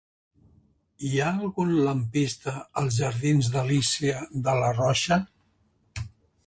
Hi ha algun lampista als jardins d'Alícia de Larrocha?